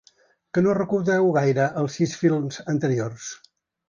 Que no recordeu gaire els sis films anteriors?